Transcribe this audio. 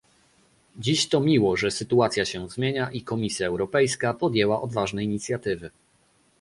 Dziś to miło, że sytuacja się zmienia i Komisja Europejska podjęła odważne inicjatywy